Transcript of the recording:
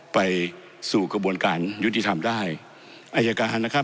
ไปสู่กระบวนการยุติธรรมได้อายการนะครับ